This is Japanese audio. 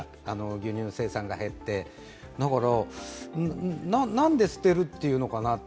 牛乳生産が減って、だから、なんで捨てるっていうのかなって。